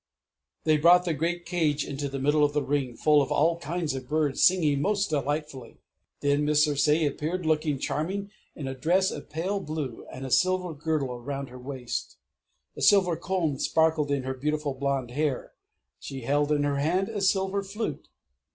They brought a great Cage into the middle of the Ring, full of all kinds of Birds singing most delightfully. Then Miss Circé appeared, looking charming in a dress of pale blue, with a silver girdle around her waist; a silver comb sparkled in her beautiful blond hair; she held in her hand a silver flute.